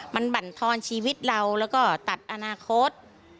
มันบรรทอนชีวิตเราแล้วก็ตัดอนาคต